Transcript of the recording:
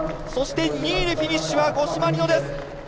そして２位でフィニッシュは五島莉乃です。